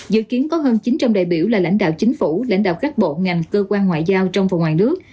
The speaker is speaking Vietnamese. dự kiến có hơn chín trăm linh đại biểu là lãnh đạo chính phủ lãnh đạo các bộ ngành cơ quan ngoại giao trong và ngoài nước